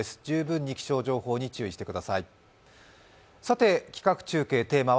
十分に気象情報に注意してください。